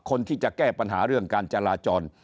คนที่จะแก้ปัญหาเรื่องการจราจร